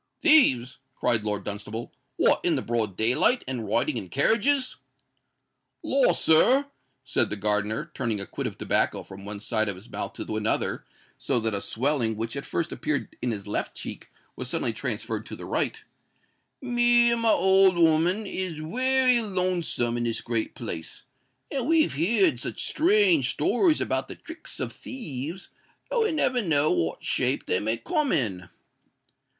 "Thieves!" cried Lord Dunstable: "what—in the broad day light, and riding in carriages?" "Lor, sir," said the gardener, turning a quid of tobacco from one side of his mouth to another, so that a swelling which at first appeared in his left cheek was suddenly transferred to the right; "me and my old 'ooman is wery lonesome in this great place; and we've heerd such strange stories about the tricks of thieves, that we never know what shape they may come in."